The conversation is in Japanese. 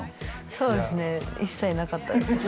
そうですね一切なかったですね